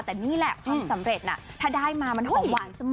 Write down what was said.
แต่นี่แหละความสำเร็จถ้าได้มามันหอมหวานเสมอ